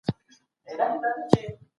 هر تمدن بدلون کوي.